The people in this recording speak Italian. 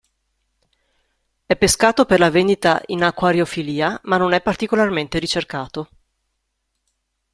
È pescato per la vendita in acquariofilia, ma non è particolarmente ricercato.